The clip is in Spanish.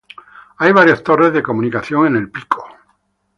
Hay varias torres de comunicación en el pico.